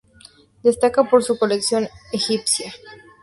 Destaca por su colección egipcia.